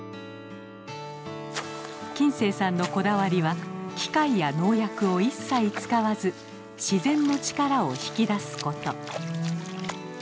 金星さんのこだわりは機械や農薬を一切使わず自然の力を引き出すこと。